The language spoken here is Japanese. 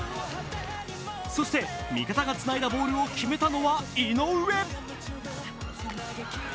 そして味方がつないだボールを決めたのは井上。